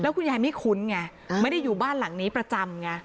คุณยายไม่คุ้นไงไม่ได้อยู่บ้านหลังนี้ประจำไง